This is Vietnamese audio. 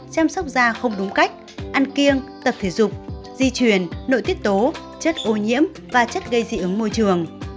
chăm sóc da không đúng cách ăn kiêng tập thể dục di truyền nội tiết tố chất ô nhiễm và chất gây dị ứng môi trường